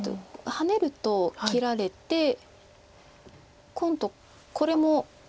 ハネると切られて今度これも。ああ。